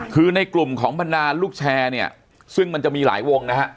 คือในกลุ่มของบรรดาลูกแชร์เนี่ยซึ่งมันจะมีหลายวงนะฮะ